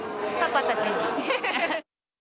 パパたちに。